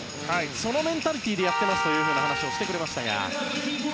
そのメンタリティーでやっていますと話してくれました。